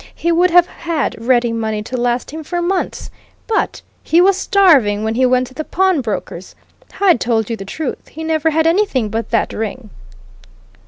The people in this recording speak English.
He would have had ready money to last him for months. But he was starving when he went to the pawnbrokers! Hyde told you the truth he never had anything but that ring."